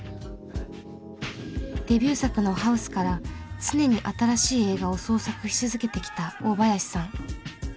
デビュー作の「ＨＯＵＳＥハウス」から常に新しい映画を創作し続けてきた大林さん。